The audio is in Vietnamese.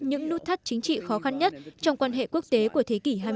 những nút thắt chính trị khó khăn nhất trong quan hệ quốc tế của thế kỷ hai mươi